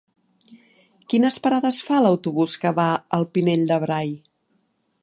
Quines parades fa l'autobús que va al Pinell de Brai?